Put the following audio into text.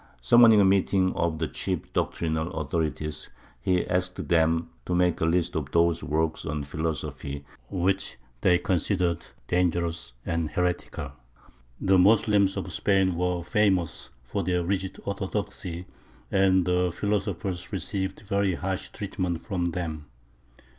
Summoning a meeting of the chief doctrinal authorities, he asked them to make a list of those works on philosophy which they considered dangerous and heretical. The Moslems of Spain were famous for their rigid orthodoxy, and the philosophers received very harsh treatment from them.